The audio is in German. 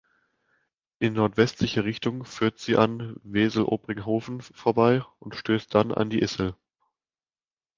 In nordwestliche Richtung führt sie an Wesel-Obrighoven vorbei und stößt dann an die Issel.